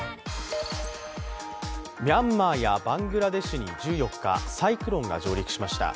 ミャンマーやバングラデシュに１４日、サイクロンが上陸しました。